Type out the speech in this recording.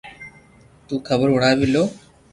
تو خبر ھوڻاوي لو